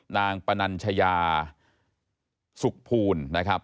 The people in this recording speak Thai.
นางปนัญชญาสุขภูณ์นะครับ